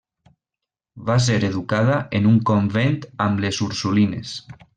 Va ser educada en un convent amb les Ursulines.